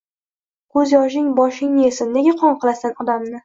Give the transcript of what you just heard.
— Koʼz yoshing boshingni yesin, nega qon qilasan odamni!